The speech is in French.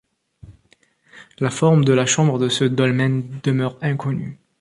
La forme de la chambre de ce dolmen demeure inconnue.